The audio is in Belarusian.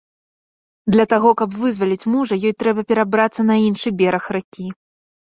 Для таго, каб вызваліць мужа, ёй трэба перабрацца на іншы бераг ракі.